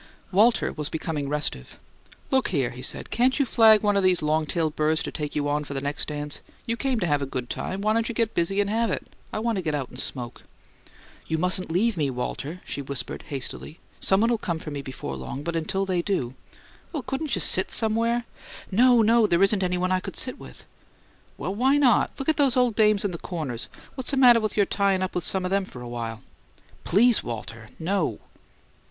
Walter was becoming restive. "Look here!" he said. "Can't you flag one o' these long tailed birds to take you on for the next dance? You came to have a good time; why don't you get busy and have it? I want to get out and smoke." "You MUSTN'T leave me, Walter," she whispered, hastily. "Somebody'll come for me before long, but until they do " "Well, couldn't you sit somewhere?" "No, no! There isn't any one I could sit with." "Well, why not? Look at those ole dames in the corners. What's the matter your tyin' up with some o' them for a while?" "PLEASE, Walter; no!"